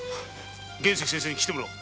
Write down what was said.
玄石先生に来てもらおう。